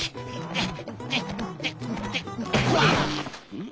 うん？